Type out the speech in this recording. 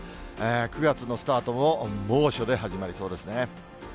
９月のスタートも猛暑で始まりそうですね。